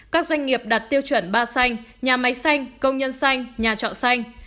các doanh nghiệp đặt tiêu chuẩn ba xanh nhà máy xanh công nhân xanh nhà trọ xanh